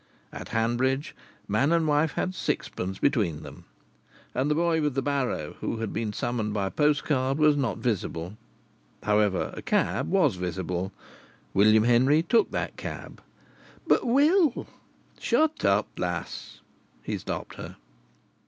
At Hanbridge man and wife had sixpence between them. And the boy with the barrow, who had been summoned by a postcard, was not visible. However, a cab was visible. William Henry took that cab. "But, Will " "Shut up, lass!" he stopped her.